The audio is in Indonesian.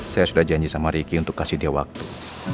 saya sudah janji sama ricky untuk kasih dia waktu